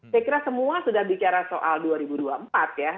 saya kira semua sudah bicara soal dua ribu dua puluh empat ya